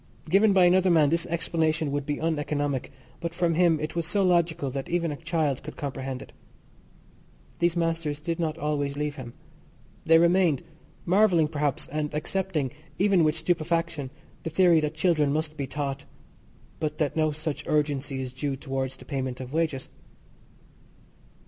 Given by another man this explanation would be uneconomic, but from him it was so logical that even a child could comprehend it. These masters did not always leave him. They remained, marvelling perhaps, and accepting, even with stupefaction, the theory that children must be taught, but that no such urgency is due towards the payment of wages.